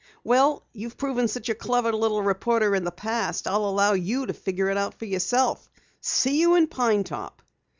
Well, you've proven such a clever little reporter in the past, I'll allow you to figure it out for yourself. See you in Pine Top."